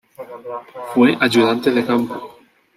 Fue ayudante de campo.